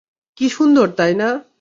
কি সুন্দর, তাই না?